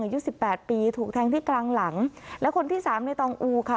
อายุสิบแปดปีถูกแทงที่กลางหลังและคนที่สามในตองอูค่ะ